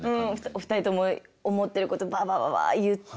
お二人とも思ってることババババ言って。